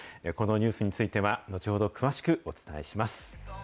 このニュースについては、後ほど詳しくお伝えします。